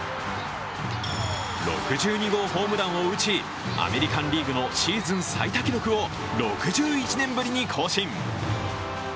６２号ホームランを打ち、アメリカン・リーグのシーズン最多記録を６１年ぶりに更新。